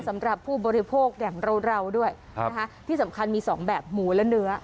สำหรับผู้บริโภคอย่างเราด้วยนะคะที่สำคัญมีสองแบบหมูและเนื้อ